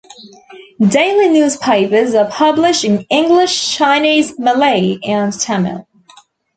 Daily newspapers are published in English, Chinese, Malay, and Tamil.